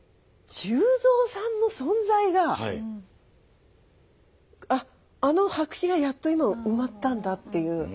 忠蔵さんの存在があっあの白紙がやっと今埋まったんだっていう。